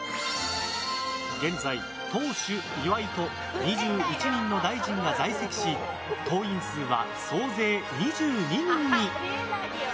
現在、党首・岩井と２１人の大臣が在籍し党員数は総勢２２人に。